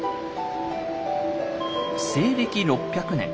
西暦６００年